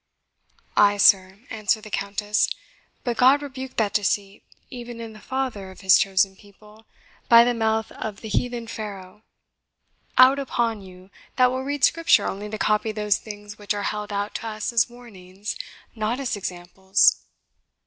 "Ay, sir," answered the Countess; "but God rebuked that deceit even in the father of His chosen people, by the mouth of the heathen Pharaoh. Out upon you, that will read Scripture only to copy those things which are held out to us as warnings, not as examples!"